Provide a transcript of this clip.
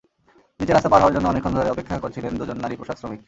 নিচে রাস্তা পার হওয়ার জন্য অনেকক্ষণ ধরে অপেক্ষা করছিলেন দুজন নারী পোশাকশ্রমিক।